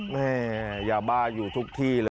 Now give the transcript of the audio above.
แม่ยาบ้าอยู่ทุกที่เลย